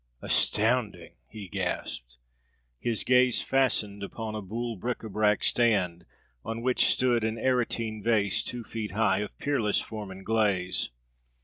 "Astounding!" he gasped. His gaze fastened upon a boule bric à brac stand, on which stood an Aretine vase two feet high, of peerless form and glaze.